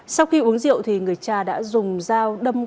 sau khi uống rượu thì người cha đã dùng dao đâm